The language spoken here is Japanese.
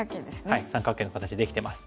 はい三角形の形できてます。